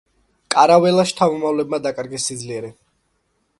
კარაველას შთამომავლებმა დაკარგეს სიძლიერე.